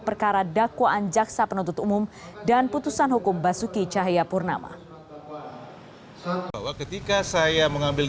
perkara dakwaan jaksa penuntut umum dan putusan hukum basuki cahayapurnama bahwa ketika saya mengambil